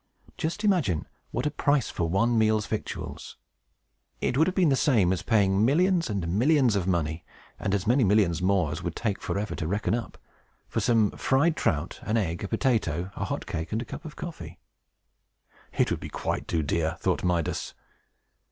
Just imagine what a price for one meal's victuals! It would have been the same as paying millions and millions of money (and as many millions more as would take forever to reckon up) for some fried trout, an egg, a potato, a hot cake, and a cup of coffee! "It would be quite too dear," thought Midas.